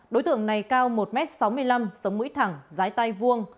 đối tượng này cao một m sáu mươi năm sống mũi thẳng dưới tay vuông